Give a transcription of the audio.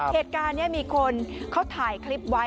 เหตุการณ์นี้มีคนเขาถ่ายคลิปไว้